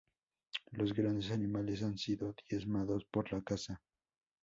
Los grandes animales has sido diezmados por la caza.